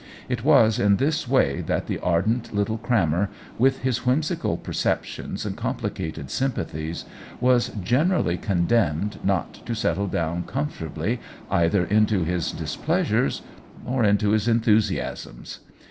It was in this way that the ardent little crammer, with his whimsical perceptions and complicated sympathies, was generally condemned not to settle down comfortably either into his displeasures or into his enthusiasms.